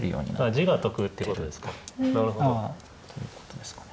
地が得ってことですかなるほど。ということですかね。